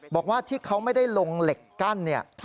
บอกว่าที่เขาไม่ได้ลงเหล็กกั้นเนี่ย